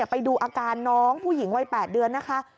ไปดูอาการน้องผู้หญิงวัย๘เดือนนะคะ